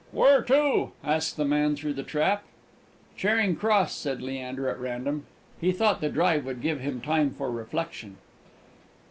"Where to?" asked the man through the trap. "Charing Cross," said Leander, at random; he ought the drive would give him time for reflection.